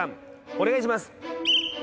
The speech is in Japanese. お願いします。